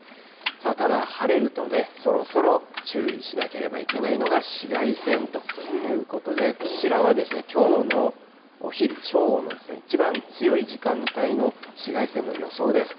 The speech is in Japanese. ただ、晴れるとそろそろ注意しなければいけないのが紫外線ということで、こちらはきょうのお昼、正午の一番強い時間帯の紫外線の予想です。